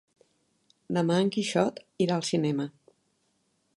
Demà en Quixot irà al cinema.